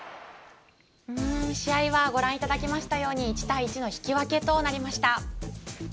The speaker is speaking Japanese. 試合はご覧いただきましたように１対１の引き分けとなりました。